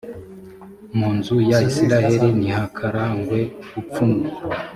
mu nzu ya israheli ntihakarangwe ubupfumu.